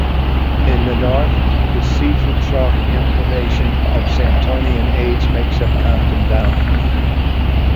In the north the Seaford Chalk formation of Santonian age makes up Compton Down.